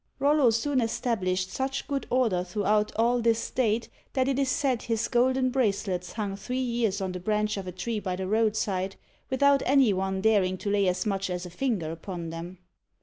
Rollo soon es tablished such good order throughout all this state that it is said his golden bracelets hung three years on the branch of a tree by the roadside without any one daring to lay as much as a finger upon them.